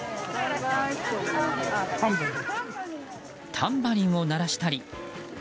タンバリンを鳴らしたり。